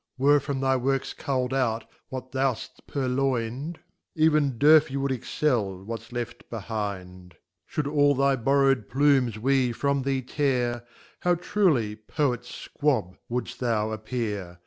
Were from thy Works auTdout what thou'ft pur n * 'A Even D fey would excel what's left behind. L *^ Should all thy borrow'd plumes we from thee tear, How truly * Poet Squab would'ft thou appear